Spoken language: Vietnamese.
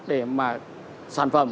để mà sản phẩm